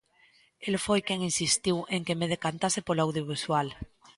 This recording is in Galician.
El foi quen insistiu en que me decantase polo audiovisual.